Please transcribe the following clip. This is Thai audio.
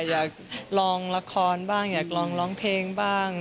อยากลองละครบ้างอยากลองร้องเพลงบ้าง